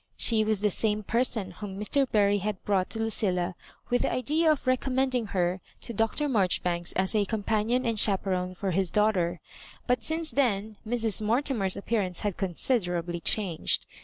She was tlie same person whom Mr. Bury had brought to Lucilla with the idea of recommending her to Dr. Marjoribanks as a companion and cbaperone for his daughter; but since then Mrs. Morti mer's appearance had considerably changed.